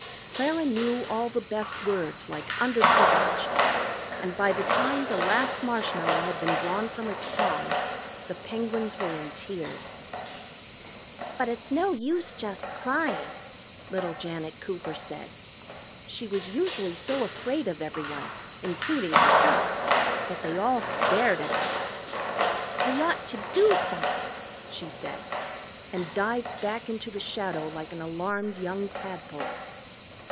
Clara knew all the best words like "underprivileged," and by the time the last marshmallow had been drawn from its prong the Penguins were in tears. "But it's no use just crying," little Janet Cooper said. She was usually so afraid of everyone, including herself, that they all stared at her. "We ought to do something," she said. And dived back into the shadow like an alarmed young tadpole.